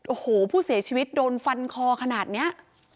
โอ้โหผู้เสียชีวิตโดนฟันคอขนาดนี้